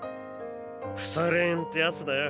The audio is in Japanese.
腐れ縁ってやつだよ